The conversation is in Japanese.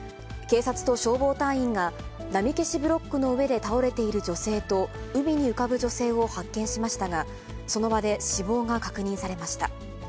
警察と消防隊員が、波消しブロックの上で倒れている女性と、海に浮かぶ女性を発見しましたが、その場で死亡が確認されました。